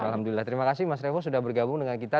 alhamdulillah terima kasih mas revo sudah bergabung dengan kita